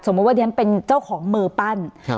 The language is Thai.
สมมุติว่าเดี๋ยวนั้นเป็นเจ้าของมือปั้น